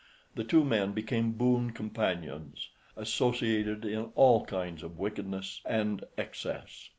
The two men became boon companions, associated in all kinds of wickedness and excess.